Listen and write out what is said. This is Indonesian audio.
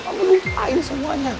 kamu lupain semuanya